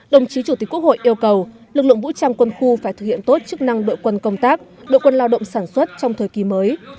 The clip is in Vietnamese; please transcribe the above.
đồng chí chủ tịch quốc hội yêu cầu lực lượng vũ trang quân khu phải thực hiện tốt chức năng đội quân công tác đội quân lao động sản xuất trong thời kỳ mới